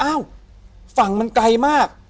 ฝั่งมันไกลมาก